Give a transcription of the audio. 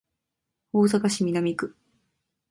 大阪市港区